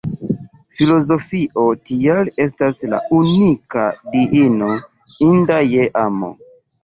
Filozofio tial estas la unika Diino inda je amo.